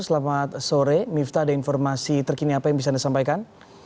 selamat sore miftah ada informasi terkini apa yang bisa anda sampaikan